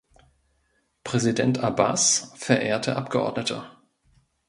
Präsident Abbas, verehrte Abgeordnete!